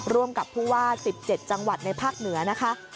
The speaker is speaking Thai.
ร่วมกับผู้ว่า๑๗จังหวัดในภาคเหนือนะคะ